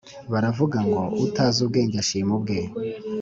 baravuga ngo “utazi ubwenge ashima ubwe”.